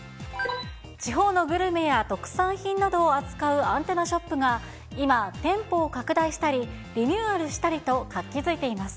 地方のグルメや特産品などを扱うアンテナショップが、今、店舗を拡大したり、リニューアルしたりと活気づいています。